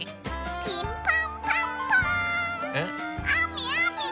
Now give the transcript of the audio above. ピンポンパンポーン！